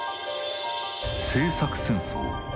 「政策戦争」